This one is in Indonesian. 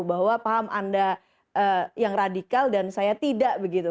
bahwa paham anda yang radikal dan saya tidak begitu